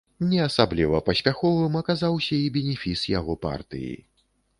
Не асабліва паспяховым аказаўся і бенефіс яго партыі.